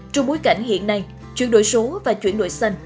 trong bối cảnh hiện nay chuyển đổi số và chuyển đổi xanh